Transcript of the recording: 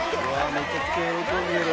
めちゃくちゃ喜んでる。